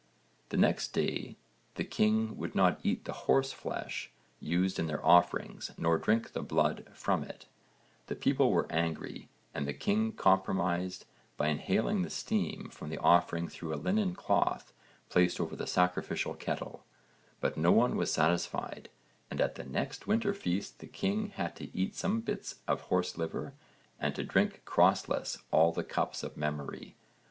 The next day the king would not eat the horse flesh used in their offerings nor drink the blood from it: the people were angry and the king compromised by inhaling the steam from the offering through a linen cloth placed over the sacrificial kettle, but no one was satisfied and at the next winter feast the king had to eat some bits of horse liver and to drink crossless all the cups of memory.